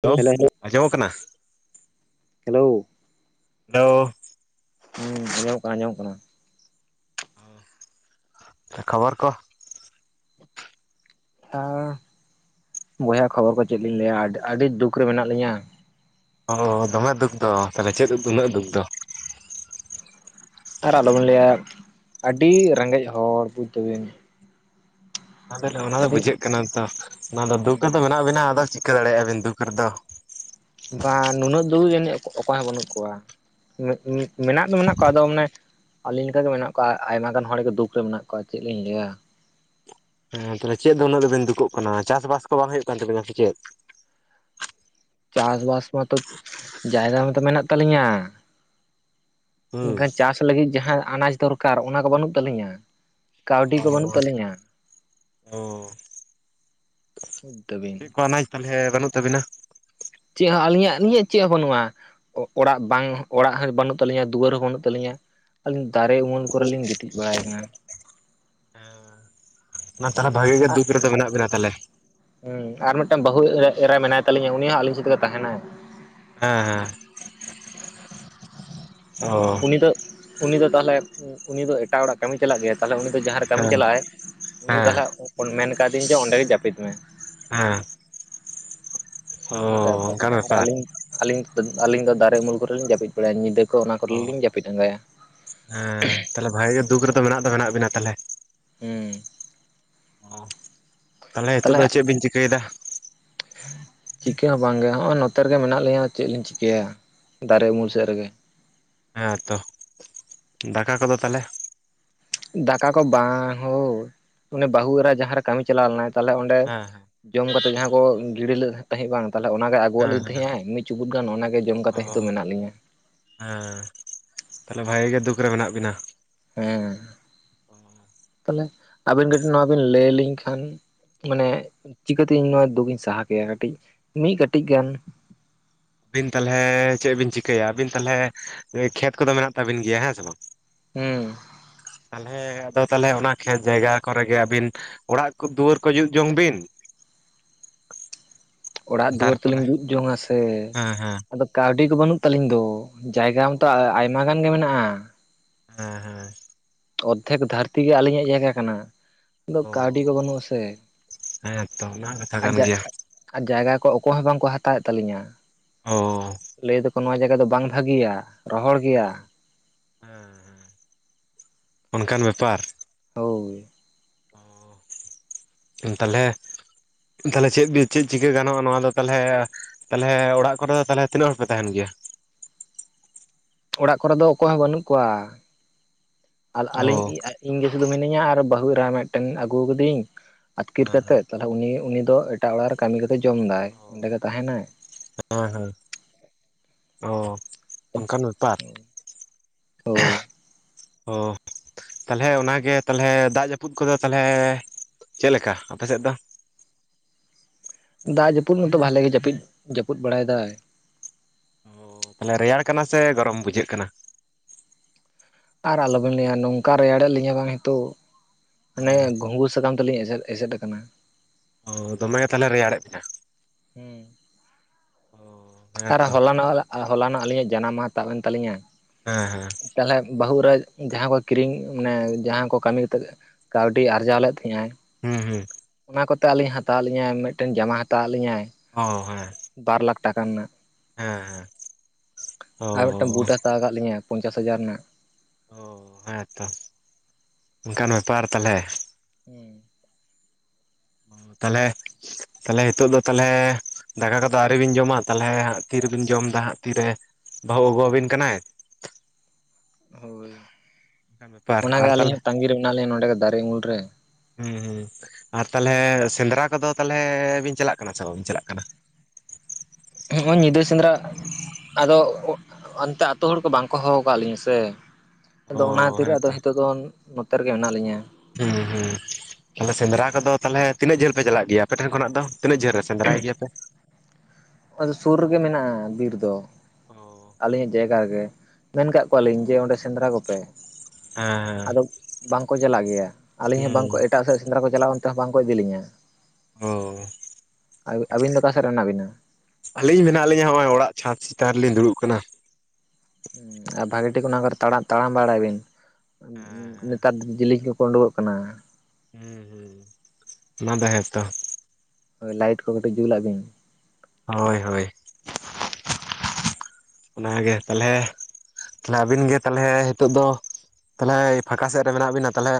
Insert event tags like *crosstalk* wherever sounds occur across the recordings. Hello ᱟᱸᱡᱚᱢᱚᱜ ᱠᱟᱱᱟ hello hello ᱟᱸᱡᱚᱢᱚᱜ ᱠᱟᱱᱟ? ᱟᱸᱡᱚᱢᱚᱜ ᱠᱟᱱᱟ? ᱠᱷᱚᱵᱚᱨ ᱠᱚ ᱟᱨ ᱵᱚᱭᱦᱟ ᱠᱷᱚᱵᱚᱨ ᱠᱚ ᱪᱮᱫ ᱞᱤᱧ ᱞᱟᱹᱭ ᱟ ᱟᱹᱰᱤ ᱫᱩᱠ ᱨᱮ ᱢᱮᱱᱟᱜ ᱞᱤᱧᱟᱹ ᱚ ᱫᱚᱢᱮ ᱫᱩᱠ ᱫᱚ ᱛᱟᱦᱚᱞᱮ ᱪᱮᱫ ᱩᱱᱟᱹᱜ ᱫᱩᱠ ᱫᱚ? ᱟᱨ ᱟᱞᱚᱵᱮᱱ ᱞᱟᱹᱭ ᱟ ᱟᱹᱰᱤ ᱨᱮᱸᱜᱮᱡ ᱦᱚᱲ ᱵᱩᱡᱽ ᱛᱟᱵᱤᱱ ᱮ ᱚᱱᱟ ᱫᱚ ᱵᱩᱡᱷᱟᱹᱜ ᱠᱟᱱᱟ ᱛᱚ ᱚᱱᱟ ᱫᱚ ᱫᱩᱠ ᱨᱮᱫᱚ ᱢᱮᱱᱟᱜ ᱵᱤᱱᱟ ᱟᱫᱚ ᱪᱤᱠᱟᱹ ᱫᱟᱲᱮᱭᱟᱜ-ᱟ ᱵᱤᱱ ᱫᱩᱠ ᱨᱮᱫᱚ ᱵᱟ ᱱᱩᱱᱟᱹᱜ ᱫᱩᱠ ᱡᱟᱹᱱᱤᱡ ᱚᱠᱚᱭ ᱦᱚᱸ ᱵᱟᱹᱱᱩᱜ ᱠᱚᱣᱟ ᱢᱮᱱᱟᱜ ᱫᱚ ᱢᱮᱱᱟᱜ ᱠᱚᱣᱟ ᱟᱫᱚ ᱢᱟᱱᱮ ᱟᱹᱞᱤᱧ ᱞᱮᱠᱟᱜ ᱜᱮ ᱢᱮᱱᱟᱜ ᱠᱚᱣᱟ ᱟᱭᱢᱟ ᱜᱟᱱ ᱦᱚᱲ ᱜᱮ ᱫᱩᱠ ᱨᱮ ᱢᱮᱱᱟᱜ ᱠᱚᱣᱟ ᱪᱮᱫ ᱞᱤᱧ ᱞᱟᱹᱭ ᱟ ᱦᱮᱸ ᱛᱟᱦᱚᱞᱮ ᱪᱮᱫ ᱫᱚ ᱩᱱᱟᱹᱜ ᱫᱚᱵᱮᱱ ᱫᱩᱠᱚᱜ ᱠᱟᱱᱟ ᱪᱟᱥᱵᱟᱥ ᱠᱚ ᱵᱟᱝ ᱦᱩᱭᱩᱜ ᱠᱟᱱ ᱛᱟᱵᱤᱱᱟ ᱥᱮ ᱪᱮᱫ? ᱪᱟᱥ ᱵᱟᱥ ᱢᱟᱛᱚ ᱡᱟᱭᱜᱟ ᱢᱟᱛᱚ ᱢᱮᱱᱟᱜ ᱛᱟᱞᱤᱧᱟ ᱦᱩᱸ ᱢᱮᱱᱠᱷᱟᱱ ᱪᱟᱥ ᱞᱟᱹᱜᱤᱫ ᱡᱟᱦᱟᱸ ᱟᱱᱟᱡ ᱫᱚᱨᱠᱟᱨ ᱚᱱᱟ ᱠᱚ ᱵᱟᱹᱱᱩᱜ ᱛᱟᱹᱞᱤᱧᱟ ᱠᱟᱹᱣᱰᱤ ᱠᱚ ᱵᱟᱹᱱᱩᱜ ᱛᱟᱹᱞᱤᱧᱟ ᱚ ᱪᱮᱫ ᱠᱚ *unintelligible* ᱟᱱᱟᱡ ᱛᱟᱦᱚᱞᱮ ᱵᱟᱹᱱᱩᱜ ᱛᱟᱵᱤᱱᱟ? ᱪᱮᱫ ᱦᱚᱸ ᱟᱹᱞᱤᱧᱟᱜ ᱟᱹᱞᱤᱧᱟᱜ ᱪᱮᱫ ᱦᱚᱸ ᱵᱟᱹᱱᱩᱜᱼᱟ᱾ ᱚᱲᱟᱜ ᱵᱟᱝ ᱚᱲᱟᱜ ᱦᱚᱸ ᱵᱟᱹᱱᱩᱜ ᱛᱟᱹᱞᱤᱧᱟ ᱫᱩᱣᱟᱹᱨ ᱦᱚᱸ ᱵᱟᱹᱱᱩᱜ ᱛᱟᱹᱞᱤᱧᱟ᱾ ᱟᱹᱞᱤᱧ ᱫᱟᱨᱮ ᱩᱢᱩᱞ ᱠᱚᱨᱮ ᱞᱤᱧ ᱜᱤᱛᱤᱡ ᱵᱟᱲᱟᱭ ᱠᱟᱱᱟ᱾ ᱚᱱᱟ ᱛᱟᱦᱚᱞᱮ ᱵᱷᱟᱜᱤ ᱜᱮ ᱫᱩᱠ ᱨᱮᱫᱚ ᱢᱮᱱᱟᱜ ᱵᱤᱱᱟ ᱛᱟᱦᱚᱞᱮ? ᱦᱮᱸ ᱟᱨ ᱢᱤᱫᱴᱟᱝ ᱵᱟᱹᱦᱩ ᱮᱨᱟᱭ ᱢᱮᱱᱟᱭ ᱛᱟᱞᱤᱧᱟ ᱩᱱᱤ ᱦᱚᱸ ᱟᱞᱤᱧ ᱥᱮᱫ ᱜᱮ ᱛᱟᱦᱮᱱᱟᱭ᱾ ᱦᱮᱸ ᱦᱮᱸ ᱚ ᱩᱱᱤ ᱫᱚ ᱩᱱᱤ ᱫᱚ ᱛᱟᱦᱚᱞᱮ ᱩᱱᱤ ᱫᱚ ᱮᱴᱟᱜ ᱦᱚᱲᱟᱜ ᱠᱟᱹᱢᱤ ᱪᱟᱞᱟᱜ ᱜᱮᱭᱟ? ᱛᱟᱦᱚᱞᱮ ᱩᱱᱤ ᱫᱚ ᱡᱟᱦᱟᱸᱨᱮ ᱠᱟᱹᱢᱤᱭ ᱦᱮᱸ ᱪᱟᱞᱟᱜᱟᱭ ᱩᱱᱤ ᱦᱮᱸ ᱛᱟᱦᱚᱞᱮ ᱢᱮᱱ ᱠᱟᱫᱮ ᱤᱧ ᱡᱮ ᱚᱸᱰᱮ ᱜᱮ ᱡᱟᱹᱯᱤᱫ ᱢᱮ᱾ ᱦᱮᱸ ᱚ ᱚᱱᱠᱟ ᱛᱚ ᱚᱱᱠᱟᱱ ᱟᱨ ᱵᱮᱯᱟᱨ ᱟᱹᱞᱤᱧ, ᱟᱹᱞᱤᱧ ᱟᱹᱞᱤᱧ ᱫᱚ ᱫᱟᱨᱮ ᱩᱢᱩᱞ ᱠᱚᱨᱮ ᱞᱤᱧ ᱡᱟᱹᱯᱤᱫ ᱵᱟᱲᱟᱭᱟ ᱧᱤᱫᱟᱹ ᱠᱚ ᱚᱱᱟ ᱠᱚᱨᱮ ᱚ ᱞᱤᱧ ᱡᱟᱹᱯᱤᱫ ᱟᱸᱜᱟᱭᱟ᱾ ᱦᱮᱸ ᱛᱟᱦᱞᱮ ᱵᱷᱟᱜᱤ ᱜᱮ ᱫᱩᱠ ᱨᱮᱫᱚ ᱢᱮᱱᱟᱜ ᱫᱚ ᱢᱮᱱᱟᱜ ᱵᱤᱱᱟ ᱛᱟᱦᱞᱮ, ᱦᱩᱸ ᱛᱟᱦᱞᱮ ᱦᱤᱛᱳᱜ ᱫᱚ ᱛᱟᱦᱚᱞᱮ ᱪᱮᱫ ᱵᱤᱱ ᱪᱤᱠᱟᱹᱭᱮᱫᱟ? ᱪᱤᱠᱟᱹ ᱦᱚᱸ ᱵᱟᱝ ᱜᱮ ᱦᱚᱸ ᱚᱭ ᱱᱚᱛᱮ ᱨᱮᱜᱮ ᱢᱮᱱᱟᱜ ᱞᱤᱧᱟᱹ ᱪᱮᱫ ᱞᱤᱧ ᱪᱤᱠᱟᱹᱭᱟ ᱫᱟᱨᱮ ᱚ ᱩᱢᱩᱞ ᱥᱮᱫ ᱨᱮᱜᱮ᱾ ᱦᱮᱸ ᱛᱚ ᱫᱟᱠᱟ ᱠᱚᱫᱚ ᱛᱟᱦᱞᱮ? ᱫᱟᱠᱟ ᱠᱚ ᱵᱟᱝ ᱦᱳ ᱩᱱᱤ ᱵᱟᱹᱦᱩ ᱮᱨᱟ ᱡᱟᱦᱟᱸᱨᱮ ᱠᱟᱹᱢᱤ ᱪᱟᱞᱟᱣ ᱞᱮᱱᱟᱭ ᱛᱟᱦᱞᱮ ᱚᱸᱰᱮ, ᱦᱮᱸ ᱦᱮᱸ ᱡᱚᱢ ᱠᱟᱛᱮᱜ ᱡᱟᱦᱟᱸ ᱠᱚ ᱜᱤᱲᱤ ᱞᱮᱫ ᱛᱟᱦᱮᱸᱫ ᱵᱟᱝ ᱛᱟᱦᱚᱞᱮ ᱚᱱᱟᱜᱮ ᱟᱹᱜᱩᱣᱟᱜ ᱦᱮᱸ ᱞᱤᱧ ᱦᱮᱸ ᱛᱟᱦᱮᱸᱫ ᱟᱭ ᱢᱤᱫ ᱪᱩᱯᱩᱫ ᱜᱟᱱ ᱚᱱᱟᱜᱮ ᱡᱚᱢ ᱠᱟᱛᱮ ᱚ ᱛᱮ ᱦᱤᱛᱚᱜ ᱢᱮᱱᱟᱜ ᱞᱤᱧᱟᱹ᱾ ᱦᱮᱸ ᱛᱟᱦᱞᱮ ᱵᱷᱟᱜᱮ ᱜᱮ ᱫᱩᱠ ᱨᱮ ᱢᱮᱱᱟᱜ ᱵᱤᱱᱟ᱾ ᱦᱮᱸ ᱛᱟᱦᱚᱞᱮ ᱟᱹᱵᱤᱱ ᱠᱟᱹᱴᱤᱡ ᱱᱚᱣᱟ ᱵᱤᱱ ᱞᱟᱹᱭ ᱤᱧ ᱠᱷᱟᱱ ᱢᱟᱱᱮ ᱪᱤᱠᱟᱹᱛᱮ ᱤᱧ ᱱᱚᱣᱟ ᱫᱩᱠ ᱤᱧ ᱥᱟᱦᱟ ᱠᱮᱭᱟ ᱠᱟᱹᱴᱤᱡ ᱢᱤᱫ ᱠᱟᱹᱴᱤᱡ ᱜᱟᱱ ᱟᱵᱤᱱ ᱛᱟᱦᱚᱞᱮ ᱪᱮᱫ ᱵᱤᱱ ᱪᱤᱠᱟᱹᱭᱟ, ᱟᱵᱤᱱ ᱛᱟᱦᱚᱞᱮ ᱠᱷᱮᱛ ᱠᱚᱫᱚ ᱢᱮᱱᱟᱜ ᱛᱟᱵᱤᱱ ᱜᱮᱭᱟ ᱦᱮᱸ ᱥᱮ ᱵᱟᱝ? ᱦᱩᱸ ᱛᱟᱦᱚᱞᱮ ᱟᱫᱚ ᱛᱟᱦᱚᱞᱮ ᱚᱱᱟ ᱠᱷᱮᱛ ᱡᱟᱭᱜᱟ ᱠᱚᱨᱮᱜᱮ ᱟᱵᱤᱱ ᱚᱲᱟᱜ ᱠᱚ ᱫᱩᱣᱟᱹᱨ ᱠᱚ ᱡᱩᱛ ᱡᱚᱝ ᱵᱤᱱ᱾ ᱚᱲᱟᱜ ᱫᱩᱣᱟᱹᱨ ᱛᱟᱨᱯᱚᱨᱮ ᱛᱟᱞᱤᱧ ᱡᱩᱛ ᱡᱚᱝ ᱟ ᱥᱮ ᱦᱮᱸ ᱦᱮᱸ ᱟᱫᱚ ᱠᱟᱹᱣᱰᱤ ᱠᱚ ᱵᱟᱹᱱᱩᱜ ᱛᱟᱹᱞᱤᱧ ᱫᱚ᱾ ᱡᱟᱭᱜᱟ ᱢᱟᱛᱚ ᱟᱭᱢᱟ ᱜᱟᱱ ᱜᱮ ᱢᱮᱱᱟᱜᱼᱟ᱾ ᱦᱮᱸ ᱦᱮᱸ ᱚᱨᱫᱷᱮᱠ ᱫᱷᱟᱹᱨᱛᱤ ᱜᱮ ᱟᱹᱞᱤᱧᱟᱜ ᱡᱟᱭᱜᱟ ᱠᱟᱱᱟ᱾ ᱫᱚ ᱠᱟᱹᱣᱰᱤ ᱠᱚ ᱚ ᱵᱟᱹᱱᱩᱜ ᱟ ᱥᱮ ᱦᱮᱸ ᱛᱚ ᱚᱱᱟ ᱠᱟᱛᱷᱟ ᱟᱡᱼᱼ ᱠᱟᱱ ᱜᱮᱭᱟ ᱟᱨ ᱡᱟᱭᱜᱟ ᱠᱚ ᱚᱠᱚᱭ ᱦᱚᱸ ᱵᱟᱝᱠᱚ ᱦᱟᱛᱟᱣ ᱮᱫ ᱛᱟᱹᱞᱤᱧᱟ᱾ ᱚ ᱞᱟᱹᱭ ᱫᱟᱠᱚ ᱱᱚᱣᱟ ᱡᱟᱭᱜᱟ ᱫᱚ ᱵᱟᱝ ᱵᱷᱟᱹᱜᱮᱭᱟ ᱨᱚᱦᱚᱲ ᱜᱮᱭᱟ᱾ ᱦᱮᱸ ᱦᱮᱸ ᱚᱱᱠᱟᱱ ᱵᱮᱯᱟᱨ᱾ ᱦᱳᱭ ᱚ ᱛᱟᱦᱚᱞᱮ ᱛᱟᱦᱞᱮ ᱪᱮᱫ ᱵᱤᱱ ᱪᱮᱫ ᱪᱤᱠᱟᱹ ᱜᱟᱱᱚᱜᱼᱟ ᱱᱚᱣᱟ ᱫᱚ ᱛᱟᱦᱚᱞᱮ ᱛᱟᱦᱚᱞᱮ ᱚᱲᱟᱜ ᱠᱚᱨᱮ ᱫᱚ ᱛᱟᱦᱚᱞᱮ ᱛᱤᱱᱟᱹᱜ ᱦᱚᱲ ᱯᱮ ᱛᱟᱦᱮᱱ ᱜᱮᱭᱟ? ᱚᱲᱟᱜ ᱠᱚᱨᱮ ᱫᱚ ᱚᱠᱚᱭ ᱦᱚᱸ ᱵᱟᱹᱱᱩᱜ ᱠᱚᱣᱟ ᱟᱹᱞᱤᱧᱼᱼ ᱚ ᱤᱧ ᱜᱮ ᱥᱩᱫᱷᱩ ᱢᱤᱱᱤᱧᱟ ᱟᱨ ᱵᱟᱹᱦᱩ ᱮᱨᱟ ᱢᱤᱫᱴᱮᱱ ᱟᱹᱜᱩ ᱟᱠᱟᱫ ᱫᱤᱭᱟᱹᱧ ᱟᱹᱛᱠᱤᱨ ᱦᱮᱸ ᱦᱮᱸ ᱠᱟᱛᱮᱫ, ᱛᱟᱦᱚᱞᱮ ᱩᱱᱤ ᱩᱱᱤ ᱫᱚ ᱮᱴᱟᱜ ᱚᱲᱟᱜ ᱨᱮ ᱠᱟᱹᱢᱤ ᱠᱟᱛᱮ ᱡᱚᱢᱫᱟᱭ ᱚᱸᱰᱮ ᱜᱮ ᱛᱟᱦᱮᱱᱟᱭ, ᱦᱮᱸ ᱦᱮᱸ ᱚ ᱚᱱᱠᱟᱱ ᱵᱮᱯᱟᱨ ᱦᱳᱭ ᱚ ᱛᱟᱞᱦᱮ ᱚᱱᱟᱜᱮ ᱛᱟᱞᱦᱮ ᱫᱟᱜ ᱡᱟᱹᱯᱩᱫ ᱠᱚᱫᱚ ᱛᱟᱞᱦᱮ ᱪᱮᱫ ᱞᱮᱠᱟ ᱟᱯᱮᱥᱮᱫ ᱫᱚ? ᱫᱟᱜ ᱡᱟᱹᱯᱩᱫ ᱢᱚᱛᱚ ᱵᱷᱟᱜᱮ ᱜᱮ ᱡᱟᱹᱯᱤᱫ, ᱡᱟᱹᱯᱩᱫ ᱵᱟᱲᱟᱭ ᱫᱟᱭ᱾ ᱛᱟᱦᱚᱞᱮ ᱨᱮᱭᱟᱲ ᱠᱟᱱᱟ ᱥᱮ ᱜᱚᱨᱚᱢ ᱵᱩᱡᱷᱟᱹᱜ ᱠᱟᱱᱟ? ᱟᱨ ᱟᱞᱚᱵᱮᱱ ᱞᱟᱹᱭ ᱟ ᱱᱚᱝᱠᱟ ᱨᱮᱭᱟᱲ ᱮᱫ ᱞᱤᱧᱟᱹ ᱵᱟᱝ ᱱᱤᱛᱚᱜ ᱢᱟᱱᱮ ᱜᱷᱩᱜᱩ ᱥᱟᱠᱟᱢ ᱛᱤᱞᱤᱧ ᱮᱥᱮᱫ ᱮᱥᱮᱫ ᱠᱟᱱᱟ᱾ ᱚ ᱫᱚᱢᱮ ᱛᱟᱦᱚᱞᱮ ᱨᱮᱭᱟᱲ ᱮᱫ ᱵᱤᱱᱟ ᱦᱮᱸ ᱚ ᱟᱨ ᱦᱚᱞᱟᱱᱚᱜ ᱦᱚᱞᱟᱱᱚᱜ ᱟᱹᱞᱤᱧᱟᱜ ᱡᱟᱱᱟᱢ ᱢᱟᱦᱟ ᱛᱟᱵ ᱮᱱ ᱛᱟᱞᱤᱧᱟ᱾ ᱦᱮᱸ ᱦᱮᱸ ᱛᱟᱦᱚᱞᱮ ᱵᱟᱹᱦᱩ ᱮᱨᱟ ᱡᱟᱦᱟᱸ ᱠᱚ ᱠᱤᱨᱤᱧ ᱢᱟᱱᱮ ᱡᱟᱦᱟᱸ ᱠᱚ ᱠᱟᱹᱢᱤ ᱛᱮᱜᱮ ᱠᱟᱛᱮᱫ ᱠᱟᱹᱣᱰᱤ ᱟᱨᱡᱟᱣ ᱞᱮᱫ ᱛᱟᱦᱮᱫ ᱟᱭ ᱦᱩᱸ ᱦᱩᱸ ᱚᱱᱟ ᱠᱚᱛᱮ ᱟᱹᱞᱤᱧ ᱦᱟᱛᱟᱣ ᱟᱜ ᱞᱤᱧᱟᱭ ᱢᱤᱫᱴᱮᱱ ᱡᱟᱢᱟ ᱦᱟᱛᱟᱣ ᱟᱜ ᱞᱤᱧᱟᱭ ᱚ ᱦᱮ ᱵᱟᱨ ᱞᱟᱠᱷ ᱴᱟᱠᱟ ᱨᱮᱱᱟᱜ ᱚ ᱟᱨ ᱢᱤᱫᱴᱟᱝ ᱵᱩᱴ ᱮ ᱦᱟᱛᱟᱣ ᱠᱟᱫ ᱞᱤᱧᱟᱹ ᱯᱚᱱᱪᱟᱥ ᱦᱟᱡᱟᱨ ᱨᱮᱱᱟᱜ ᱚ ᱦᱮᱸ ᱛᱚ ᱚᱱᱠᱟᱱ ᱵᱮᱯᱟᱨ ᱛᱟᱦᱚᱞᱮ᱾ ᱦᱮᱸ ᱛᱟᱦᱚᱞᱮ, ᱛᱟᱦᱚᱞᱮ, ᱱᱤᱛᱚᱜ ᱫᱚ ᱛᱟᱦᱚᱞᱮ ᱫᱟᱠᱟ ᱠᱚᱫᱚ ᱟᱹᱣᱨᱤ ᱵᱤᱱ ᱡᱚᱢᱟ ᱛᱟᱦᱚᱞᱮ ᱛᱤᱨᱮᱵᱮᱱ ᱡᱚᱢ ᱫᱟ ᱦᱟᱸᱜ ᱛᱤᱨᱮ ᱵᱟᱹᱦᱩ ᱟᱹᱜᱩᱣᱟᱵᱮᱱ ᱠᱟᱱᱟᱭ ᱦᱳᱭ ᱚᱱᱠᱟᱱ ᱵᱮᱯᱟᱨ ᱚᱱᱟᱜᱮ ᱟᱨ ᱛᱟᱦᱚᱞᱮ ᱟᱹᱞᱤᱧᱟᱜ ᱛᱟᱜᱤᱨᱮ ᱢᱮᱱᱟᱜ ᱞᱤᱧᱟ ᱱᱚᱰᱮ ᱜᱮ ᱫᱟᱨᱮ ᱩᱢᱩᱞ ᱨᱮ᱾ ᱦᱮᱸ ᱦᱮᱸ ᱟᱨ ᱛᱟᱦᱚᱞᱮ ᱥᱮᱸᱫᱽᱨᱟ ᱠᱚᱫᱚ ᱛᱟᱦᱚᱞᱮ ᱵᱤᱱ ᱪᱟᱞᱟᱜ ᱠᱟᱱᱟ ᱥᱮ ᱵᱟᱵᱤᱱ ᱪᱟᱞᱟᱜ ᱠᱟᱱᱟ? ᱱᱚᱜ-ᱚᱭ ᱧᱤᱫᱟᱹ ᱥᱮᱸᱫᱽᱨᱟ ᱟᱫᱚ ᱚᱱᱛᱮ ᱟᱛᱳ ᱦᱚᱲ ᱠᱚ ᱵᱟᱝ ᱠᱚ ᱦᱚᱦᱚᱣᱟ ᱠᱟᱫ ᱞᱤᱧᱟ ᱥᱮ ᱚ ᱟᱫᱚ ᱚᱱᱟ ᱠᱷᱟᱹᱛᱤᱨ ᱟᱫᱚ ᱦᱮᱸᱛᱚ ᱱᱤᱛᱚᱜ ᱫᱚ ᱱᱚᱛᱮ ᱨᱮᱜᱮ ᱢᱮᱱᱟᱜ ᱞᱤᱧᱟᱹ᱾ ᱦᱮᱸ ᱦᱩᱸ ᱛᱟᱦᱚᱞᱮ ᱥᱮᱸᱫᱽᱨᱟ ᱠᱚᱫᱚ ᱛᱟᱦᱚᱞᱮ ᱛᱤᱱᱟᱹᱜ ᱡᱷᱟᱹᱞ ᱯᱮ ᱪᱟᱞᱟᱜ ᱜᱮᱭᱟ ᱟᱯᱮᱴᱷᱮᱱ ᱠᱷᱚᱱᱟᱜ ᱫᱚ? ᱛᱤᱱᱟᱹᱜ ᱡᱷᱟᱹᱞ ᱨᱮ ᱥᱮᱫᱽᱨᱟᱹᱭ ᱜᱮᱭᱟᱹ ᱯᱮ ᱟᱫᱚ ᱥᱩᱨ ᱨᱮᱜᱮ ᱢᱮᱱᱟᱜ-ᱟ ᱵᱤᱨ, ᱫᱚ ᱟᱹᱞᱤᱧᱟᱜ ᱡᱟᱭᱜᱟ ᱨᱮᱜᱮ ᱢᱮᱱ ᱠᱟᱜ ᱠᱚ ᱠᱚᱣᱟᱞᱤᱧ ᱡᱮ ᱚᱸᱰᱮ ᱥᱮᱸᱫᱽᱨᱟ ᱠᱚᱯᱮ᱾ ᱦᱮᱸ ᱟᱫᱚ ᱵᱟᱝᱠᱚ ᱪᱟᱞᱟᱜ ᱜᱮᱭᱟ ᱟᱹᱞᱤᱧ ᱦᱚᱸ ᱦᱮᱸ ᱦᱩᱸ ᱵᱟᱝᱠᱚ ᱮᱴᱠ ᱮᱴᱟᱜ ᱥᱮᱫ ᱥᱮᱸᱫᱽᱨᱟ ᱠᱚ ᱪᱟᱞᱟᱜ-ᱟ ᱚᱱᱛᱮ ᱦᱚᱸ ᱵᱟᱝᱠᱚ ᱤᱫᱤ ᱞᱤᱧᱟᱹ ᱚ ᱟᱹᱵᱤᱱ ᱫᱚ ᱚᱠᱟ ᱥᱮᱫ ᱨᱮ ᱢᱮᱱᱟᱜ ᱵᱤᱱᱟ? ᱟᱹᱞᱤᱧ ᱢᱮᱱᱟᱜ ᱞᱤᱧᱟ ᱱᱚᱜ-ᱚᱭ ᱚᱲᱟᱜ ᱪᱷᱟᱸᱫᱽ ᱪᱮᱛᱟᱱ ᱨᱮᱞᱤᱧ ᱫᱩᱲᱩᱵ ᱠᱟᱱᱟ᱾ ᱟᱨ ᱵᱷᱟᱜᱤ ᱴᱷᱤᱠ ᱚᱱᱟ ᱠᱚᱨᱮ ᱛᱟᱲᱟᱢ ᱵᱟᱲᱟᱭ ᱵᱤᱱ ᱦᱮᱸ ᱱᱮᱛᱟᱨ ᱡᱤᱞᱮᱧ ᱠᱚ ᱩᱰᱩᱠᱚᱜ ᱠᱟᱱᱟ᱾ ᱦᱩᱸ ᱦᱩᱸ ᱚᱱᱟ ᱫᱚ ᱦᱮᱸᱛᱚ ᱦᱳᱭ ᱞᱟᱭᱤᱴ ᱠᱚ ᱠᱟᱹᱴᱤᱡ ᱡᱩᱞᱟᱜ ᱵᱤᱱ ᱦᱳᱭ ᱦᱳᱭ ᱚᱱᱟᱜᱮ ᱛᱟᱦᱚᱞᱮ ᱛᱟᱦᱞᱮ ᱟᱵᱤᱱ ᱜᱮ ᱛᱟᱦᱚᱞᱮ ᱱᱤᱛᱚᱜ ᱫᱚ ᱛᱟᱦᱚᱞᱮ ᱯᱷᱟᱸᱠᱟ ᱥᱮᱫ ᱨᱮ ᱢᱮᱱᱟᱜ ᱵᱤᱱᱟ ᱛᱟᱦᱚᱞᱮ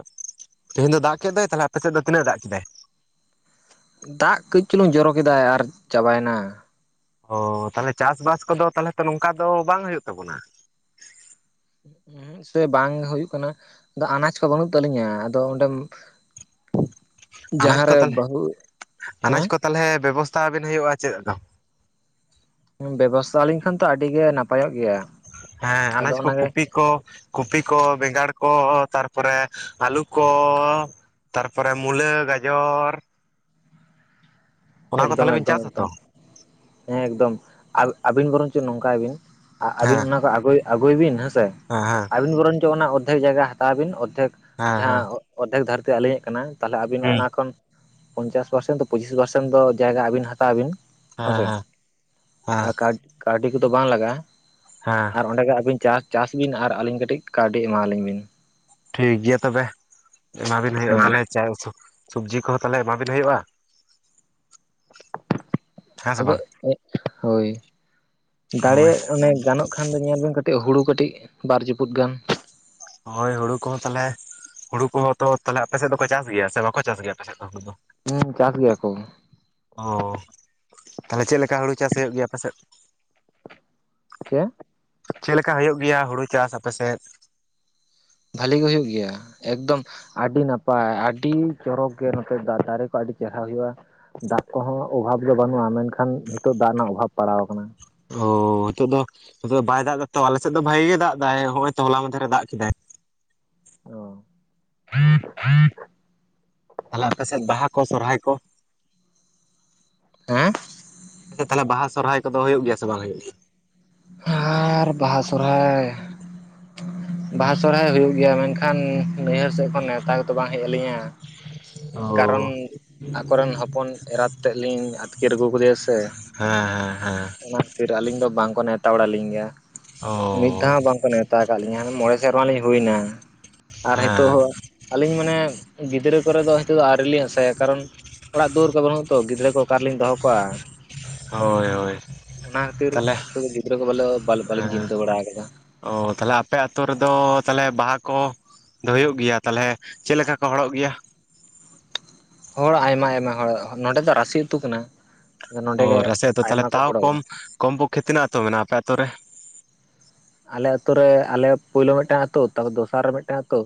ᱛᱮᱦᱮᱧ ᱫᱚ ᱫᱟᱜ ᱠᱮᱫ ᱫᱚᱭ ᱛᱟᱦᱚᱞᱮ ᱟᱯᱮ ᱥᱮᱫ ᱫᱚ ᱛᱤᱱᱟᱹᱜ ᱫᱟᱜ ᱠᱮᱫᱟᱭ? ᱫᱟᱜ ᱠᱟᱹᱡ ᱪᱩᱞᱩᱝ ᱡᱚᱨᱚ ᱠᱮᱫᱟ ᱟᱨ ᱪᱟᱵᱟᱭᱮᱱᱟ ᱚ ᱛᱟᱦᱚᱞᱮ ᱪᱟᱥᱵᱟᱥ ᱠᱚᱫᱚ ᱛᱟᱦᱚᱞᱮ ᱛᱚ ᱱᱚᱝᱠᱟ ᱫᱚ ᱵᱟᱝ ᱦᱩᱭᱩᱜ ᱛᱟᱵᱚᱱᱟ ᱦᱩᱸ ᱥᱮ ᱵᱟᱝ ᱦᱩᱭᱩᱜ ᱠᱟᱱᱟ ᱟᱱᱟᱡ ᱠᱚ ᱵᱟᱹᱱᱩᱜ ᱛᱟᱹᱞᱤᱧᱟ ᱟᱫᱚ ᱚᱸᱰᱮ ᱟᱱᱟᱡᱽ ᱠᱚ ᱡᱟᱦᱟᱸᱨᱮ ᱛᱟᱞᱮ ᱵᱟᱹᱦᱩ ᱟᱱᱟᱡ ᱦᱮᱸ ᱠᱚ ᱛᱟᱦᱚᱞᱮ ᱵᱮᱵᱚᱥᱛᱟ ᱟᱵᱮᱱ ᱦᱩᱭᱩᱜ-ᱟ ᱪᱮᱫ ᱫᱚ ᱵᱮᱵᱚᱥᱛᱷᱟ ᱟᱹᱞᱤᱧ ᱠᱷᱟᱱ ᱛᱚ ᱟᱹᱰᱤ ᱜᱮ ᱱᱟᱯᱟᱭᱚᱜ ᱜᱮᱭᱟ᱾ ᱦᱮᱸ ᱟᱫᱚ ᱟᱱᱟᱡ ᱠᱚ ᱚᱱᱟᱜᱮ ᱠᱩᱯᱤ ᱠᱚ ᱠᱚᱯᱤ, ᱠᱚ ᱵᱮᱸᱜᱟᱲ, ᱠᱚ ᱛᱟᱨᱯᱚᱨᱮ ᱟᱹᱞᱩ, ᱠᱚ ᱛᱟᱨᱯᱚᱨᱮ ᱢᱩᱞᱟᱹ, ᱜᱟᱡᱚᱨ, ᱚᱱᱟ ᱠᱚ ᱮᱠᱫᱚᱢ ᱛᱟᱞᱦᱮ ᱵᱤᱱ ᱮᱠᱫᱚᱢ ᱪᱟᱥ ᱮᱠᱫᱚᱢ ᱟᱛᱚ ᱦᱮᱸ ᱮᱠᱫᱚᱢ ᱟᱹᱵᱤᱱ ᱵᱚᱨᱚᱱ ᱪᱮᱫ ᱱᱚᱝᱠᱟᱭ ᱵᱤᱱ ᱟᱨ ᱟᱹᱵᱤᱱ ᱚᱱᱟ ᱠᱚ ᱟᱹᱜᱩᱭ ᱟᱹᱜᱩᱭ ᱵᱤᱱ, ᱦᱮᱸᱥᱮ! ᱟᱸᱻᱦᱟᱸ ᱾ ᱟᱵᱤᱱ ᱵᱚᱨᱚᱱ ᱪᱚ, ᱚᱱᱟ ᱚᱨᱫᱷᱮᱠ ᱡᱟᱭᱜᱟ, ᱦᱟᱛᱟᱣ ᱟᱹᱵᱤᱱ, ᱚᱨᱫᱷᱮᱠ ᱦᱮᱸ ᱡᱟᱦᱟᱸ, ᱦᱮᱸ ᱚᱨᱫᱷᱮᱠ ᱫᱷᱟᱹᱨᱛᱤ ᱟᱹᱞᱤᱧᱟᱜ ᱠᱟᱱᱟ ᱾ ᱛᱟᱦᱚᱞᱮ, ᱟᱹᱵᱤᱱ ᱦᱮᱸ ᱚᱱᱟ ᱠᱷᱚᱱ ᱯᱚᱧᱪᱟᱥ ᱯᱟᱨᱥᱮᱱ, ᱯᱚᱸᱪᱤᱥ ᱯᱟᱨᱥᱮᱱ ᱫᱚ, ᱡᱟᱭᱜᱟ ᱟᱹᱵᱤᱱ ᱦᱟᱛᱟᱣ ᱵᱤᱱ ᱾ ᱦᱮᱸ ᱦᱮᱸᱥᱮ, ᱦᱮᱸ ᱟᱨ ᱠᱟ ᱠᱟᱹᱣᱰᱤ ᱠᱚᱫᱚ ᱵᱟᱝ ᱞᱟᱜᱟᱜ-ᱟ ᱾ ᱦᱮᱸ ᱟᱨ ᱚᱸᱰᱮ ᱜᱮ, ᱟᱹᱵᱤᱱ ᱪᱟᱥ, ᱪᱟᱥ ᱵᱤᱱ ᱟᱨ ᱟᱹᱞᱤᱧ ᱠᱟᱹᱴᱤᱡ, ᱠᱟᱹᱣᱰᱤ ᱮᱢᱟ ᱦᱟᱞᱤᱧ ᱵᱤᱱ ᱾ ᱴᱷᱤᱠ ᱜᱮᱭᱟ ᱛᱚᱵᱮ ᱾ ᱮᱢᱟ ᱵᱤᱱ ᱦᱮᱸ ᱦᱩᱭᱩᱜ-ᱟ ᱾ ᱛᱟᱦᱚᱞᱮ, ᱡᱟᱭᱦᱳᱠ *unintelligible* ᱥᱚᱵᱽᱡᱤ ᱠᱚᱦᱚᱸ ᱛᱟᱦᱚᱞᱮ, ᱮᱢᱟᱵᱤᱱ ᱦᱩᱭᱩᱜ-ᱟ ᱾ ᱦᱮᱸ ᱥᱮ ᱟᱫᱚ ᱵᱟᱝ *unintelligible* ᱮ ᱦᱳᱭ ᱦᱳᱭ ᱫᱟᱲᱮᱭᱟᱜ, ᱚᱱᱮ ᱜᱟᱱᱚᱜ ᱠᱷᱟᱱ ᱫᱚ ᱧᱮᱞ ᱵᱮᱱ, ᱠᱟᱹᱴᱤᱡ ᱦᱩᱲᱩ ᱠᱟᱹᱴᱤᱡ, ᱵᱟᱨ ᱡᱟᱹᱯᱩᱫ ᱜᱟᱱ ᱦᱳᱭ! ᱦᱳᱲᱳ ᱠᱚᱦᱚᱸ ᱛᱟᱦᱚᱞᱮ ᱦᱳᱲᱳ ᱠᱚᱦᱚᱸ ᱛᱚ ᱛᱟᱦᱚᱞᱮ, ᱟᱯᱮ ᱥᱮᱫ ᱫᱚᱠᱚ ᱪᱟᱥ ᱜᱮᱭᱟ ᱥᱮ ᱵᱟᱠᱚ ᱪᱟᱥ ᱜᱮᱭᱟ, ᱟᱯᱮ ᱥᱮᱫ ᱫᱚ ᱦᱳᱲᱳ ᱫᱚ? ᱦᱮᱸ, ᱪᱟᱥ ᱜᱮᱭᱟ ᱠᱚ ᱾ ᱚᱻ, ᱛᱟᱦᱚᱞᱮ ᱪᱮᱫ ᱞᱮᱠᱟ ᱦᱳᱲᱳ ᱪᱟᱥ ᱦᱩᱭᱩᱜ ᱜᱮᱭᱟ, ᱟᱯᱮᱥᱮᱫ? ᱪᱮᱫ? *unintelligible* ᱪᱮᱫ ᱞᱮᱠᱟ ᱦᱩᱭᱩᱜ ᱜᱮᱭᱟ, ᱦᱳᱲᱳ ᱪᱟᱥ ᱟᱯᱮ ᱥᱮᱫ? ᱵᱷᱟᱞᱤ ᱜᱮ ᱦᱩᱭᱩᱜ ᱜᱮᱭᱟ ᱾ ᱮᱠᱫᱚᱢ ᱟᱹᱰᱤ ᱱᱟᱯᱟᱭ, ᱟᱹᱰᱤ ᱪᱚᱨᱚᱠ ᱜᱮ, ᱱᱚᱛᱮ ᱫᱟᱨᱮ ᱠᱚ, ᱟᱹᱰᱤ ᱪᱮᱦᱨᱟ ᱦᱩᱭᱩᱜᱼᱟ ᱾ ᱫᱟᱜ ᱠᱚᱦᱚᱸ ᱚᱵᱷᱟᱵᱽ ᱫᱚ ᱵᱟᱹᱱᱩᱜᱼᱟ ᱾ ᱢᱮᱱᱠᱷᱟᱱ ᱱᱤᱛᱚᱜ, ᱫᱟᱜ ᱨᱮᱱᱟᱜ ᱚᱵᱷᱟᱵᱽ ᱯᱟᱲᱟᱣ ᱟᱠᱟᱱᱟ ᱾ ᱦᱚᱻᱭ ᱱᱤᱛᱚᱜ ᱫᱚ, ᱱᱤᱛᱚᱜ ᱫᱚ ᱵᱟᱭ ᱫᱟᱜ ᱮᱫᱟ ᱾ ᱛᱚ, ᱟᱞᱮ ᱥᱮᱫ ᱫᱚ, ᱵᱷᱟᱜᱤ ᱜᱮ ᱫᱟᱜ ᱮᱫᱟ ᱾ ᱦᱚ ᱚᱭ ᱛᱚ ᱦᱚᱞᱟ ᱢᱟᱫᱷᱮᱨᱮ ᱫᱟᱜ ᱠᱮᱫᱟᱭ ᱾ ᱦᱳᱭ *inaudible* ᱛᱟᱦᱚᱞᱮ, ᱟᱯᱮ ᱥᱮᱫ ᱵᱟᱦᱟ ᱠᱚ, ᱥᱚᱨᱦᱟᱭ ᱠᱚ? ᱦᱮᱸᱻ᱾ *unintelligible* ᱛᱟᱦᱚᱞᱮ, ᱵᱟᱦᱟ ᱥᱚᱨᱦᱟᱭ ᱠᱚ ᱫᱚ, ᱦᱩᱭᱩᱜ ᱜᱮᱭᱟ ᱥᱮ, ᱵᱟᱝᱟ ᱜᱮ? ᱟᱻᱨᱻ, ᱵᱟᱦᱟ ᱥᱚᱨᱦᱟᱭ ᱾ ᱵᱟᱦᱟ ᱥᱚᱨᱦᱟᱭ ᱦᱩᱭᱩᱜ ᱜᱮᱭᱟ ᱾ ᱢᱮᱱᱠᱷᱟᱱ, ᱱᱟᱹᱭᱦᱟᱹᱨ ᱥᱮᱫ ᱠᱷᱚᱱ, ᱱᱮᱣᱛᱟ ᱠᱚᱫᱚ, ᱵᱟᱝ ᱦᱮᱡ ᱟᱞᱤᱧᱟ ᱾ ᱠᱟᱨᱚᱱ ᱚ ᱟᱠᱚ ᱨᱮᱱ, ᱦᱚᱯᱚᱱ ᱮᱨᱟᱛ ᱛᱮᱫ ᱞᱤᱧ, ᱟᱹᱛᱠᱤᱨ ᱟᱹᱜᱩ, ᱟᱠᱟᱫᱮᱭᱟ ᱥᱮ ᱾ ᱦᱮᱸᱼᱦᱮᱸᱻ ᱾ ᱚᱱᱟ ᱠᱷᱟᱹᱛᱤᱨ ᱟᱹᱞᱤᱧ ᱫᱚ, ᱵᱟᱝᱠᱚ ᱱᱮᱣᱛᱟ ᱵᱟᱲᱟ ᱞᱤᱧ ᱜᱮᱭᱟ ᱚ ᱾ ᱢᱤᱫ ᱫᱷᱟᱣ ᱦᱚᱸ ᱵᱟᱝᱠᱚ ᱱᱮᱣ ᱛᱟᱣ ᱟᱠᱟᱫ ᱞᱤᱧᱟ, ᱢᱚᱬᱮ ᱥᱮᱨᱢᱟ ᱞᱤᱧ ᱦᱩᱭᱮᱱᱟ, ᱟᱨ ᱱᱤᱛᱚᱜ ᱦᱮᱸ ᱦᱚᱸ ᱟᱹᱞᱤᱧ ᱢᱟᱱᱮ ᱜᱤᱫᱽᱨᱟᱹ ᱠᱚᱨᱮ ᱫᱚ, ᱦᱚᱭᱛᱳ ᱟᱹᱣᱨᱤ ᱞᱤᱧ ᱟᱥᱟᱭᱟ ᱾ ᱠᱟᱨᱚᱱ, ᱚᱲᱟᱜ ᱫᱩᱣᱟᱹᱨ ᱠᱚ ᱵᱟᱹᱱᱩᱜ ᱛᱚ, ᱜᱤᱫᱽᱨᱟᱹ ᱠᱚ ᱚᱠᱟ? ᱨᱤᱞᱤᱧ ᱫᱚᱦᱚ ᱠᱚᱣᱟ ᱾ ᱦᱳᱭ ᱦᱳᱭ ᱚᱱᱟ ᱠᱷᱟᱹᱛᱤᱨ, ᱛᱟᱦᱚᱞᱮ ᱱᱤᱛᱚᱜ ᱜᱤᱫᱽᱨᱟᱹ ᱠᱚ, ᱵᱚᱞᱮ ᱵᱟᱞᱤᱧ ᱪᱤᱱᱛᱟᱹ ᱵᱟᱲᱟ ᱟᱠᱟᱫᱟ ᱾ ᱚᱼ ᱛᱟᱦᱞᱮ, ᱟᱯᱮ ᱟᱹᱛᱩ ᱨᱮᱫᱚ ᱛᱟᱦᱚᱞᱮ, ᱵᱟᱦᱟ ᱠᱚ ᱫᱚ ᱦᱩᱭᱩᱜ ᱜᱮᱭᱟ ᱾ ᱛᱟᱞᱦᱮ ᱪᱮᱫ ᱞᱮᱠᱟ ᱠᱚ ᱦᱚᱲᱚᱜ ᱜᱮᱭᱟ? ᱦᱚᱲ, ᱟᱭᱢᱟ ᱟᱭᱢᱟ ᱦᱚᱲ, ᱱᱚᱰᱮ ᱫᱚ ᱨᱟᱥᱤ ᱟᱹᱛᱩ ᱠᱟᱱᱟ ᱾ ᱚ ᱼ, ᱨᱟᱹᱥᱤ ᱟᱛᱳ ᱾ ᱛᱟᱦᱚᱞᱮ, ᱛᱟᱣ ᱠᱚᱢ, ᱠᱚᱢ ᱯᱚᱠᱠᱷᱮ, ᱛᱤᱱᱟᱹᱜ ᱟᱛᱳ ᱢᱮᱱᱟᱜᱼᱟ? ᱟᱯᱮ ᱟᱛᱳ ᱨᱮ ᱾ ᱟᱞᱮ ᱟᱹᱛᱩ ᱨᱮ, ᱟᱞᱮ ᱯᱳᱭᱞᱳ ᱢᱤᱫᱴᱟᱝ ᱟᱹᱛᱩ, ᱛᱟᱨᱯᱚᱨ ᱫᱚᱥᱟᱨ ᱨᱮ ᱢᱤᱫᱴᱟᱝ ᱟᱹᱛᱩ,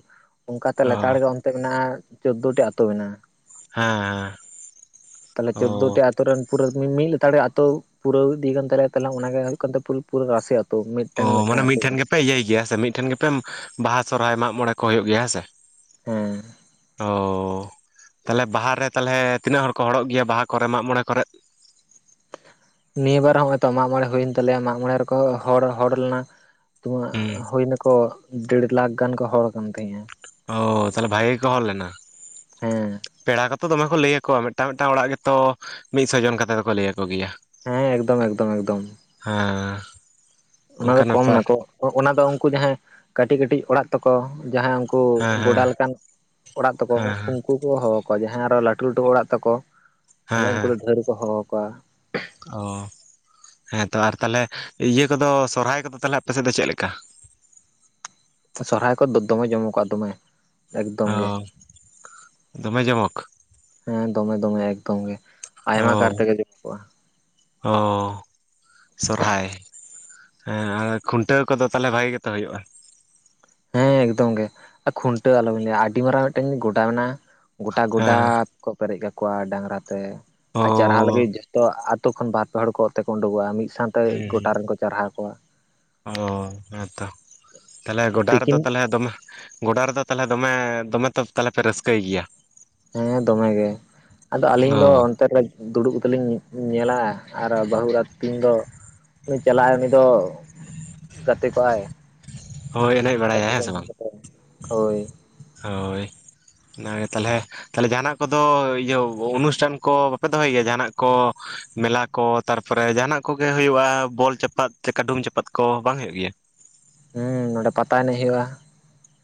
ᱚᱱᱠᱟ ᱛᱮ ᱞᱮᱛᱟᱲ ᱚ ᱜᱮ ᱢᱮᱱᱟᱜᱼᱟ ᱾ ᱪᱳᱫᱫᱳᱴᱤ ᱟᱛᱳ ᱢᱮᱱᱟᱜᱼᱟ ᱾ ᱦᱮᱸᱼᱦᱮᱸᱻ ᱾ ᱛᱟᱦᱚᱞᱮ, ᱪᱳᱫᱫᱳᱴᱤ ᱟᱹᱛᱩ ᱨᱮᱱ ᱯᱩᱨᱟᱹ ᱢᱤᱫ, ᱢᱤᱫ ᱞᱟᱛᱟᱲ ᱜᱮ ᱟᱛᱳ ᱯᱩᱨᱟᱹᱣ ᱤᱫᱤᱭ ᱠᱟᱱ ᱛᱟᱞᱮᱭᱟ ᱛᱟᱞᱟᱝ ᱾ ᱚᱱᱟ ᱜᱮ *unintelligible* ᱯᱩᱨᱟ. ᱨᱟᱥᱤ ᱟᱹᱛᱩ ᱾ ᱚᱻ, ᱢᱟᱱᱮ ᱢᱤᱫᱴᱷᱮᱱ ᱜᱮᱯᱮ, ᱤᱭᱟᱹᱭ ᱜᱮᱭᱟ, ᱦᱮᱸᱥᱮ, ᱢᱤᱫᱴᱷᱮᱱ ᱜᱮᱯᱮ, ᱵᱟᱦᱟ ᱥᱚᱨᱦᱟᱭ, ᱢᱟᱜᱽ ᱢᱚᱬᱮ ᱠᱚ ᱦᱩᱭᱩᱜ ᱜᱮᱭᱟ ᱾ ᱦᱮᱸ ᱥᱮ? ᱦᱮᱸᱻ ᱾ ᱚᱻ ᱛᱟᱦᱚᱞᱮ, ᱵᱟᱦᱟ ᱨᱮ ᱛᱟᱦᱚᱞᱮ, ᱛᱤᱱᱟᱹᱜ? ᱦᱚᱲ ᱠᱚ ᱦᱚᱲᱚᱜ ᱜᱮᱭᱟ ᱾ ᱵᱟᱦᱟ ᱠᱚᱨᱮ, ᱢᱟᱜ ᱢᱚᱬᱮ ᱠᱚᱨᱮ ᱾ ᱱᱤᱭᱟᱹ ᱵᱟᱨ ᱦᱚᱸ, ᱦᱚᱭ ᱛᱚ ᱢᱟᱜ ᱢᱚᱬᱮ, ᱦᱩᱭᱮᱱ ᱛᱟᱞᱮᱭᱟ ᱾ ᱢᱟᱜ ᱢᱚᱬᱮ ᱨᱮᱠᱚ ᱦᱚᱲ, ᱦᱚᱲ ᱞᱮᱱᱟ ᱾ ᱚᱶᱟ, ᱦᱩᱸ ᱦᱩᱭᱮᱱᱟ ᱠᱚ, ᱰᱮᱲ ᱞᱟᱠᱷ ᱜᱟᱱ ᱠᱚ, ᱦᱚᱲ ᱠᱟᱱ ᱛᱟᱦᱮᱸᱜᱼᱟ ᱾ ᱚᱻ, ᱛᱟᱦᱞᱮ ᱵᱷᱟᱜᱮ ᱜᱮ ᱠᱚ, ᱦᱚᱲ ᱞᱮᱱᱟ ᱦᱮᱸ ᱾ ᱯᱮᱲᱟ ᱠᱚᱛᱚ, ᱫᱚᱢᱮ ᱠᱚ, ᱞᱟᱹᱭ ᱟᱠᱚᱣᱟ ᱾ ᱢᱤᱫᱴᱟᱝ, ᱢᱤᱫᱴᱟᱝ ᱚᱲᱟᱜ ᱜᱮᱛᱚ, ᱢᱤᱫᱥᱚ ᱡᱚᱱ ᱠᱟᱛᱮᱫ ᱫᱚᱠᱚ, ᱞᱟᱹᱭ ᱟᱠᱚ ᱜᱮᱭᱟ ᱾ ᱦᱮᱸ, ᱮᱠᱫᱚᱢ, ᱮᱠᱫᱚᱢ ᱮᱠᱫᱚᱢ ᱾ ᱦᱮᱸᱻ ᱾ ᱚᱱᱟ ᱫᱚ ᱠᱚᱢ ᱱᱟᱠᱚ ᱚᱱᱟ ᱫᱚ ᱩᱱᱠᱩ ᱡᱟᱦᱟᱸᱭ ᱠᱟᱹᱴᱤᱡ ᱠᱟᱹᱴᱤᱡ ᱚᱲᱟᱜ ᱛᱟᱠᱚ ᱡᱟᱦᱟᱸᱭ ᱩᱱᱠᱩᱼᱼ ᱦᱮᱸ ᱠᱚ ᱦᱮᱸ ᱜᱚᱰᱟ ᱞᱮᱠᱟᱱ ᱚᱲᱟᱜ ᱛᱟᱠᱚ᱾ ᱦᱮᱸ ᱦᱮᱸ ᱩᱱᱠᱩᱼᱼ ᱩᱱᱠᱩ ᱠᱚ ᱦᱚᱦᱚ ᱟᱠᱚᱣᱟ ᱡᱟᱦᱟᱸᱭ ᱟᱨᱚ ᱞᱟᱹᱴᱩ ᱞᱟᱹᱴᱩ ᱚᱲᱟᱜ ᱛᱟᱠᱚ ᱛᱟᱦᱚᱞᱮ ᱦᱮᱸ ᱩᱱᱠᱩ ᱦᱮᱸ ᱫᱚ ᱫᱷᱟᱹᱨ ᱜᱮ ᱠᱚ ᱦᱚᱦᱚ ᱟᱠᱚᱣᱟ᱾ ᱚ ᱦᱮᱸ ᱛᱚ ᱟᱨ ᱛᱟᱦᱚᱞᱮ ᱤᱭᱟᱹ ᱠᱚᱫᱚ ᱥᱚᱨᱦᱟᱭ ᱠᱚᱫᱚ ᱛᱟᱦᱚᱞᱮ ᱟᱯᱮ ᱥᱮᱫ ᱫᱚ ᱪᱮᱫ ᱞᱮᱠᱟ? ᱥᱚᱨᱦᱟᱭ ᱠᱚᱫᱚ ᱫᱚᱢᱮ ᱡᱚᱢ ᱠᱟᱜᱼᱟ ᱫᱚᱢᱮ, ᱮᱠᱫᱚᱢ ᱜᱮ ᱚ ᱫᱚᱢᱮ ᱡᱚᱢᱚᱠ? ᱦᱮᱸ ᱫᱚᱢᱮ ᱫᱚᱢᱮ ᱮᱠᱫᱚᱢ ᱜᱮ᱾ ᱟᱭᱢᱟ ᱠᱟᱨ ᱚᱻ ᱛᱮᱜᱮ ᱡᱚᱢ ᱠᱚᱜᱼᱟ ᱚᱻ ᱥᱚᱨᱦᱟᱭ᱾ ᱦᱮᱸ ᱟᱨ ᱠᱷᱩᱱᱴᱟᱹᱣ ᱠᱚᱫᱚ ᱛᱟᱦᱚᱞᱮ ᱵᱷᱟᱜᱤ ᱜᱮᱛᱚ ᱦᱩᱭᱩᱜᱼᱟ? ᱦᱮᱸ ᱮᱠᱫᱚᱢ ᱜᱮ ᱠᱷᱩᱱᱴᱟᱹᱣ ᱟᱞᱚ ᱵᱤᱱ ᱞᱟᱹᱭᱟ ᱟᱹᱰᱤ ᱢᱟᱨᱟᱝ ᱢᱤᱫᱴᱮᱱ ᱜᱚᱰᱟ ᱢᱮᱱᱟᱜᱼᱟ ᱜᱚᱴᱟ ᱦᱮᱸ ᱜᱚᱰᱟᱼᱼ ᱦᱮᱸ ᱠᱚ ᱯᱮᱨᱮᱡ ᱠᱟᱠᱚᱣᱟ ᱰᱟᱝᱨᱟ ᱛᱮ ᱚ ᱟᱨ ᱪᱟᱨᱦᱟᱣ ᱞᱟᱹᱜᱤᱫᱼᱼ ᱛᱚ ᱟᱛᱳ ᱠᱷᱚᱱ ᱵᱟᱨ ᱯᱮ ᱦᱚᱲ ᱠᱚ ᱚᱛ ᱛᱮᱠᱚ ᱩᱰᱩᱠᱚᱜᱼᱟ ᱢᱤᱫ ᱥᱟᱶᱛᱮ ᱦᱩᱸ ᱜᱚᱴᱟ ᱦᱩᱸ ᱨᱮᱱᱠᱚ ᱪᱟᱨᱦᱟᱣ ᱠᱚᱣᱟ᱾ ᱚ ᱦᱮᱸᱛᱚ ᱛᱟᱦᱚᱞᱮ ᱜᱚᱰᱟ ᱨᱮᱫᱚ ᱛᱤᱠᱤᱱ ᱛᱟᱦᱚᱞᱮ ᱫᱚᱢᱮᱼᱼ ᱜᱚᱰᱟ ᱨᱮᱫᱚ ᱛᱟᱦᱚᱞᱮ ᱫᱚᱢᱮ ᱫᱚᱢᱮ ᱛᱚ ᱛᱟᱦᱚᱞᱮ ᱯᱮ ᱨᱟᱹᱥᱠᱟᱹᱭ ᱜᱮᱭᱟ? ᱦᱮᱸ ᱫᱚᱢᱮ ᱜᱮ ᱟᱫᱚ ᱟᱹᱞᱤᱧ ᱫᱚ ᱚ ᱚᱱᱛᱮ ᱨᱮᱼᱼ ᱫᱩᱲᱩᱵ ᱠᱟᱛᱮ ᱞᱤᱧ ᱧᱮᱞᱟ ᱟᱨ ᱵᱟᱹᱦᱩ ᱮᱨᱟ ᱛᱤᱧ ᱫᱚ ᱩᱱᱤ ᱪᱟᱞᱟᱜᱼᱟᱭ ᱩᱱᱤ ᱫᱚᱼᱼ ᱜᱟᱛᱮ ᱠᱚᱜᱟᱭ ᱦᱳᱭ ᱮᱱᱮᱡ ᱵᱟᱲᱟᱭᱟ ᱜᱟᱛᱮ ᱠᱚ ᱦᱮᱸ ᱥᱮ ᱢᱮᱱᱟᱜ ᱵᱟᱝ ᱠᱚᱛᱟᱭᱟ ᱦᱳᱭ᱾ ᱦᱳᱭ ᱚᱱᱟᱜᱮ ᱛᱟᱦᱚᱞᱮᱼᱼ ᱛᱟᱦᱞᱮ ᱡᱟᱦᱟᱱᱟᱜ ᱠᱚᱫᱚ ᱤᱭᱟᱹ ᱚᱱᱩᱥᱴᱷᱟᱱ ᱠᱚ ᱵᱟᱯᱮ ᱫᱚᱦᱚᱭ ᱜᱮᱭᱟ? ᱡᱟᱦᱟᱱᱟᱜ ᱠᱚ ᱢᱮᱞᱟᱼᱼ ᱠᱚ ᱛᱟᱨᱯᱚᱨᱮ ᱡᱟᱦᱟᱱᱟᱜ ᱠᱚᱜᱮ ᱦᱩᱭᱩᱜᱼᱟ ᱵᱚᱞ ᱪᱟᱯᱟᱫ ᱪᱮᱠᱟ ᱠᱟᱹᱰᱩᱢ ᱪᱟᱯᱟᱫ ᱠᱚ ᱵᱟᱝ ᱦᱩᱭᱩᱜ ᱜᱮᱭᱟ? ᱦᱩᱸ ᱱᱚᱸᱰᱮ ᱯᱟᱛᱟ ᱮᱱᱮᱡ ᱦᱩᱭᱩᱜᱼᱟ᱾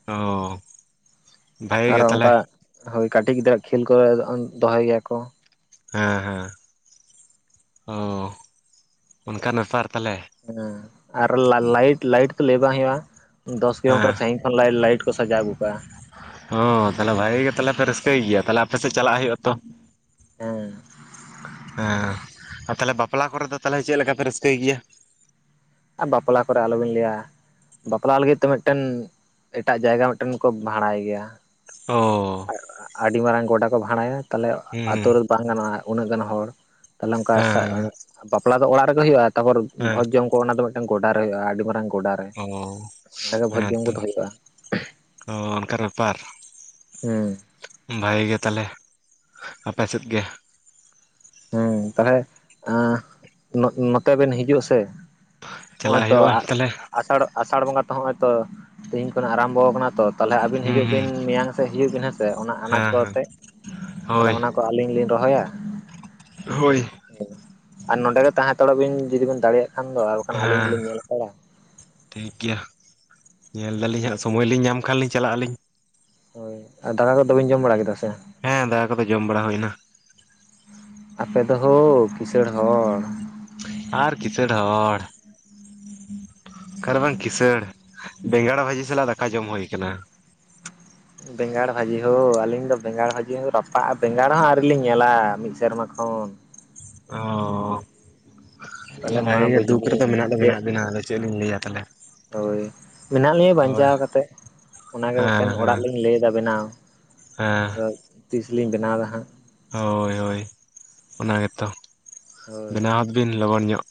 ᱚᱸᱻ ᱟᱨᱚ ᱚᱱᱠᱟ ᱦᱳᱭ ᱠᱟᱹᱴᱤᱡ ᱜᱤᱫᱽᱨᱟᱹ ᱠᱷᱮᱞ ᱠᱚ ᱫᱚᱦᱚᱭ ᱜᱮᱭᱟ ᱠᱚ᱾ ᱦᱮᱸ ᱦᱮᱸ ᱚ ᱚᱱᱠᱟᱱ ᱵᱮᱯᱟᱨ ᱛᱟᱦᱚᱞᱮ᱾ ᱦᱮᱸ ᱟᱨ ᱞᱟᱭᱤᱴ ᱞᱟᱭᱤᱴ ᱛᱚ ᱞᱟᱹᱭ ᱵᱟᱝ ᱦᱩᱭᱩᱜᱼᱟ᱾ ᱫᱚᱥ ᱦᱮᱸ ᱠᱤᱞᱳᱢᱤᱴᱟᱨ ᱥᱟᱺᱜᱤᱧ ᱠᱷᱚᱱ ᱞᱟᱭᱤᱴ ᱞᱟᱭᱤᱴ ᱠᱚ ᱥᱟᱡᱟᱣ ᱟᱹᱜᱩ ᱠᱟᱜᱼᱟ᱾ ᱦᱚ ᱛᱟᱦᱞᱮ ᱵᱷᱟᱜᱤ ᱜᱮ ᱛᱟᱦᱞᱮ ᱯᱮ ᱨᱟᱹᱥᱠᱟᱹᱭ ᱜᱮᱭᱟ ᱛᱟᱦᱞᱮ ᱟᱯᱮ ᱥᱮᱫ ᱪᱟᱞᱟᱜ ᱦᱩᱭᱩᱜ ᱟᱛᱚ, ᱦᱮᱸ ᱦᱮᱸ ᱟᱨ ᱛᱟᱞᱦᱮ ᱵᱟᱯᱞᱟ ᱠᱚᱨᱮ ᱫᱚ ᱛᱟᱞᱦᱮ ᱪᱮᱫᱞᱮᱠᱟᱯᱮ ᱨᱟᱹᱥᱠᱟᱹᱭ ᱜᱮᱭᱟ? ᱟᱨ ᱵᱟᱯᱞᱟ ᱠᱚᱨᱮ ᱟᱞᱚᱵᱤᱱ ᱞᱟᱹᱭᱟ᱾ ᱵᱟᱯᱞᱟ ᱞᱟᱹᱜᱤᱫ ᱛᱮ ᱢᱤᱫᱴᱮᱱ ᱮᱴᱟᱜ ᱡᱟᱭᱜᱟ ᱢᱤᱫᱴᱮᱱ ᱠᱚ ᱵᱷᱟᱲᱟᱭ ᱜᱮᱭᱟ᱾ ᱚ ᱟᱹᱰᱤ ᱢᱟᱨᱟᱝ ᱜᱚᱰᱟ ᱠᱚ ᱵᱷᱟᱲᱟᱭᱟ ᱛᱟᱦᱞᱮ ᱦᱩᱸ ᱟᱛᱳ ᱦᱮᱸ ᱨᱮᱫᱚ ᱵᱟᱝ ᱜᱟᱱᱚᱜᱼᱟ᱾ ᱩᱱᱟᱹᱜ ᱜᱟᱱ ᱦᱚᱲ, ᱛᱟᱦᱚᱞᱮ ᱚᱱᱠᱟ ᱦᱮᱸ ᱵᱟᱯᱞᱟ ᱫᱚ ᱚᱲᱟᱜ ᱨᱮᱜᱮ ᱦᱩᱭᱩᱜᱼᱟ ᱛᱟᱯᱚᱨ ᱦᱮᱸ ᱵᱷᱚᱡᱽ ᱡᱚᱢᱼᱼ ᱠᱚ ᱚᱱᱟ ᱫᱚ ᱢᱤᱫᱴᱟᱝ ᱜᱚᱰᱟ ᱨᱮ ᱦᱩᱭᱩᱜᱼᱟ ᱟᱹᱰᱤ ᱢᱟᱨᱟᱝ ᱜᱚᱰᱟᱨᱼᱼ ᱚ ᱦᱮᱸᱛᱚ ᱚ ᱚᱱᱠᱟ ᱵᱮᱯᱟᱨ᱾ ᱦᱮᱸ ᱵᱷᱟᱜᱤ ᱜᱮ ᱛᱟᱦᱞᱮ ᱟᱯᱮ ᱥᱮᱫ ᱜᱮᱼᱼ ᱦᱮᱸ ᱛᱟᱦᱚᱞᱮ ᱟ ᱱᱚ ᱱᱚᱛᱮ ᱵᱮᱱ ᱦᱤᱡᱩᱜ ᱟᱥᱮ? ᱦᱚᱸᱜᱼᱚᱭ ᱪᱟᱞᱟᱜ ᱛᱚ ᱦᱩᱭᱩᱜᱼᱟ ᱛᱟᱦᱚᱞᱮ ᱟᱥᱟᱲ ᱟᱥᱟᱲ ᱵᱚᱸᱜᱟ ᱛᱚ ᱦᱚᱸᱜᱼᱚᱭ ᱛᱚ ᱛᱮᱦᱤᱧ ᱠᱷᱚᱱ ᱟᱨᱟᱢᱵᱚ ᱠᱟᱱᱟ, ᱛᱚ ᱛᱟᱦᱚᱞᱮ ᱟᱵᱤᱱ ᱦᱩᱸ ᱦᱤᱡᱩᱜ ᱦᱩᱸ ᱵᱤᱱ ᱢᱮᱭᱟᱝ ᱥᱮᱫ ᱦᱤᱡᱩᱜ ᱵᱤᱱ ᱦᱮᱸᱥᱮ ᱚᱱᱟ ᱟᱱᱟᱡ ᱦᱮᱸ ᱠᱚ ᱦᱮᱸ ᱟᱛᱮ ᱛᱟᱦᱚᱞᱮ ᱦᱳᱭ ᱚᱱᱟᱠᱚ ᱟᱹᱞᱤᱧ ᱞᱤᱧ ᱨᱚᱦᱚᱭᱟᱼᱼ ᱦᱳᱭ᱾ ᱟᱨ ᱱᱚᱸᱰᱮ ᱜᱮ ᱛᱟᱦᱮᱸ ᱛᱟᱦᱮ ᱦᱟᱛᱟᱲᱚᱜ ᱵᱤᱱ ᱡᱩᱫᱤ ᱵᱤᱱ ᱫᱟᱲᱮᱭᱟᱜ ᱠᱷᱟᱱ ᱫᱚ ᱟᱨ ᱵᱟᱠᱷᱟᱱ ᱟᱹᱞᱤᱧ ᱦᱮᱸ ᱜᱮᱞᱤᱧ ᱧᱮᱞ ᱦᱟᱛᱟ ᱲᱟ ᱴᱷᱤᱠ ᱜᱮᱭᱟ ᱧᱮᱞ ᱫᱟᱞᱤᱧ ᱦᱳᱭ ᱦᱟᱸᱜ ᱥᱚᱢᱚᱭ ᱞᱤᱧ ᱧᱟᱢ ᱠᱷᱟᱱ ᱞᱤᱧ ᱪᱟᱞᱟᱜ ᱟᱹᱞᱤᱧ ᱦᱳᱭ ᱟᱨ ᱫᱟᱠᱟ ᱠᱚᱫᱚ ᱵᱮᱱ ᱡᱚᱢ ᱵᱟᱲᱟ ᱠᱮᱫᱟ ᱥᱮ? ᱦᱮᱸ ᱫᱟᱠᱟ ᱠᱚᱫᱚ ᱡᱚᱢ ᱵᱟᱲᱟ ᱦᱩᱭ ᱮᱱᱟ ᱟᱯᱮ ᱫᱚ ᱦᱳ ᱠᱤᱥᱟᱹᱬ ᱦᱚᱲ, ᱟᱨ ᱠᱤᱥᱟᱹᱬ ᱦᱚᱲ, ᱚᱠᱟ ᱨᱮ ᱵᱟᱝ ᱠᱤᱥᱟᱹᱬ ᱵᱮᱸᱜᱟᱲ ᱵᱷᱟᱹᱡᱤ ᱥᱟᱞᱟᱜ ᱫᱟᱠᱟ ᱡᱚᱢ ᱦᱩᱭᱟᱠᱟᱱᱟ᱾ ᱵᱮᱸᱜᱟᱲ ᱵᱷᱟᱹᱡᱤ ᱦᱳ ᱟᱹᱞᱤᱧ ᱫᱚ ᱵᱮᱸᱜᱟᱲ ᱵᱷᱟᱹᱡᱤ ᱦᱚᱸ ᱨᱟᱯᱟᱜᱼᱟ ᱵᱮᱸᱜᱟᱲ ᱦᱚᱸ ᱟᱹᱣᱨᱤ ᱞᱤᱧ ᱧᱮᱞᱟ ᱢᱤᱫ ᱥᱮᱨᱢᱟ ᱠᱷᱚᱱ, ᱚᱻ ᱛᱟᱦᱞᱮ ᱛᱟᱦᱚᱞᱮ ᱢᱟ ᱵᱷᱟᱜᱤ ᱜᱮ ᱵᱩᱡᱽ ᱫᱩᱠ ᱨᱮᱫᱚ ᱵᱤᱱ ᱢᱮᱱᱟᱜ ᱫᱚ ᱪᱮᱫ ᱢᱮᱱᱟᱜ ᱵᱤᱱᱟ ᱟᱫᱚ ᱪᱮᱫ ᱞᱤᱧ ᱞᱟᱹᱭᱟ ᱛᱟᱦᱚᱞᱮ᱾ ᱦᱳᱭ ᱢᱮᱱᱟᱜ ᱞᱤᱧᱟᱹ ᱦᱳᱭ ᱵᱟᱧᱪᱟᱣ ᱠᱟᱛᱮᱫ ᱚᱱᱟᱜᱮ ᱦᱮᱸ ᱢᱤᱫᱴᱮᱱ ᱚᱲᱟᱜ ᱦᱮᱸ ᱞᱤᱧ ᱞᱟᱹᱭᱫᱟ ᱵᱮᱱᱟᱣ ᱦᱮᱸ ᱛᱤᱥᱞᱤᱧ ᱵᱮᱱᱟᱣ ᱫᱟ ᱦᱟᱸᱜ᱾ ᱦᱳᱭ ᱦᱳᱭ ᱚᱱᱟ ᱜᱮᱛᱚ ᱦᱳᱭ ᱵᱮᱱᱟᱣ ᱦᱚᱫ ᱵᱤᱱ ᱞᱚᱜᱚᱱ ᱧᱚᱜ᱾